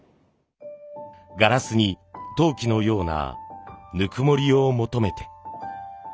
ガラスに陶器のようなぬくもりを求めて。